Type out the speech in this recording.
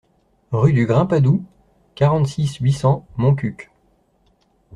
Rue du Grimpadou, quarante-six, huit cents Montcuq